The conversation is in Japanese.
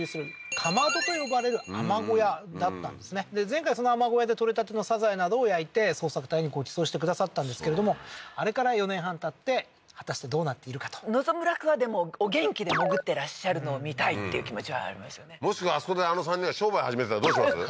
前回その海女小屋で取れたてのサザエなどを焼いて捜索隊にごちそうしてくださったんですけれどもあれから４年半経って果たしてどうなっているかと望むらくはでもお元気で潜ってらっしゃるのを見たいっていう気持ちはありますよねもしくはあそこであの３人が商売始めてたらどうします？